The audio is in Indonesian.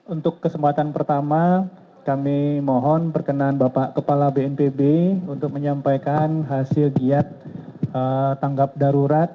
untuk kesempatan pertama kami mohon perkenan bapak kepala bnpb untuk menyampaikan hasil giat tanggap darurat